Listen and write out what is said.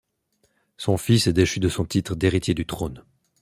Son fils est déchu de son titre d'héritier du trône.